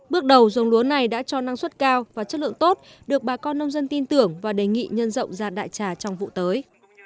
bước đầu dòng lúa này đã cho năng suất cao và chất lượng tốt được bà con nông dân tin tưởng và đề nghị nhân rộng ra đại trà trong vụ tới